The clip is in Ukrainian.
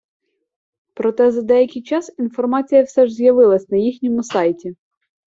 Проте за деякий час інформація все ж з’явилась на їхньому сайті.